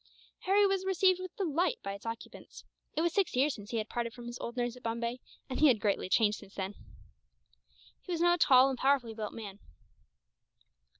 Harry was received with delight by its occupants. It was six years since he had parted from his old nurse at Bombay, and he had greatly changed since then. He was now a tall and powerfully built man.